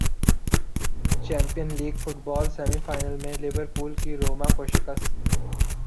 champions league football semi final میں Liverpool کی روما کو شکست